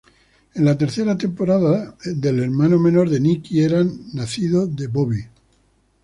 En la tercera temporada el hermano menor de Nikki era nacido de Bobby.